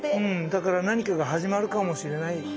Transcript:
だから何かが始まるかもしれない。